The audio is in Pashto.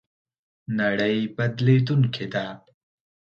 نړۍ بدلېدونکې ده